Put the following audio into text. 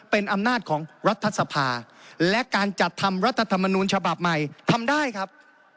เป็นอำนาจของรัฐสภาและการจัดทำรัฐธรรมนูญฉบับใหม่ทำได้ครับ